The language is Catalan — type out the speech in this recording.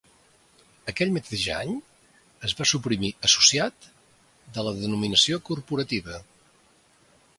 Aquell mateix any, es va suprimir "Associat" de la denominació corporativa.